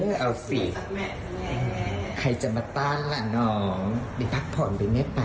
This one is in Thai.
ไม่เอาสิใครจะมาต้านล่ะน้องไปพักผ่อนไปไม่ไป